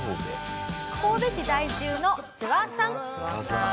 神戸市在住のツワさん。